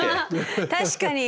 確かに。